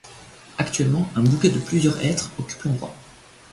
Actuellement, un bouquet de plusieurs hêtres occupe l'endroit.